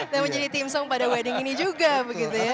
dan menjadi theme song pada wedding ini juga begitu ya